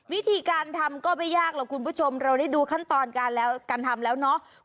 วิธีการทำก็ไม่ยากหรอกคุณผู้ชมเราได้ดูขั้นตอนการแล้วการทำแล้วเนาะ